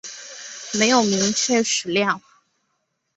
没有明确史料